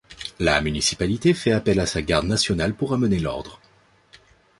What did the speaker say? La municipalité fait appel à sa Garde nationale pour ramener l'ordre.